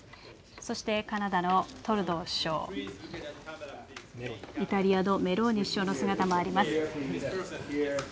そしてカナダのトルドー首相、イタリアのメローニ首相の姿もあります。